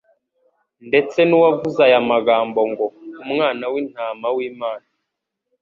ndetse n'uwavuze aya magambo ngo :« Umwana w'Intama w'Imana»